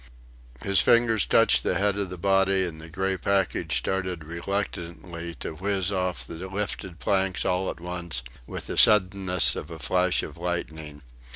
His fingers touched the head of the body, and the grey package started reluctantly to whizz off the lifted planks all at once, with the suddenness of a flash of lightning.